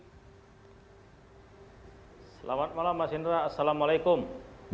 selamat malam mas indra assalamualaikum